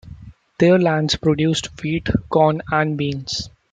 Their lands produced wheat, corn and beans.